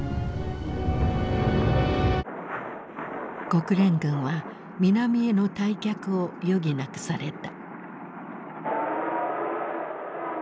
国連軍は南への退却を余儀なくされた。